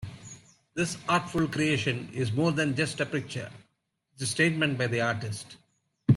This artful creation is more than just a picture, it's a statement by the artist.